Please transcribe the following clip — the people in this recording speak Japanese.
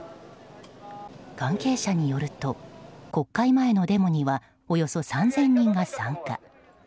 関係者によると国会前のデモにはおよそ３０００人が参加。